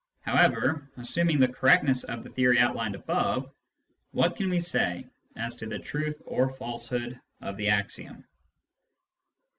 However, assuming the correctness of the theory outlined above, what can we say as to the truth or falsehood of the axiom